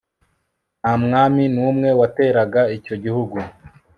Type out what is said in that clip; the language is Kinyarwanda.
nta mwami n'umwe wateraga icyo gihugu